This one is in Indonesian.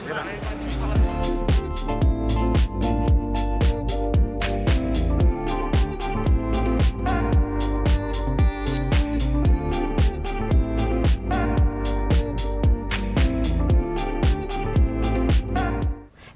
terima kasih pak